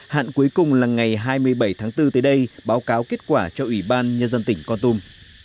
hạn cuối cùng là ngày hai mươi bảy tháng bốn tới đây báo cáo kết quả cho ủy ban nhân dân tỉnh con tum